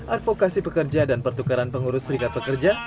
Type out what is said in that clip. advokasi pekerja dan pertukaran pengurus serikat pekerja